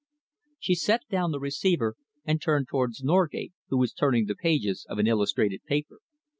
_" She set down the receiver and turned towards Norgate, who was turning the pages of an illustrated paper.